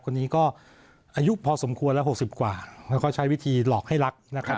คนนี้ก็อายุพอสมควรแล้ว๖๐กว่าแล้วก็ใช้วิธีหลอกให้รักนะครับ